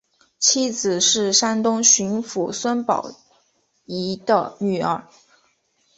妻子是山东巡抚孙宝琦的女儿。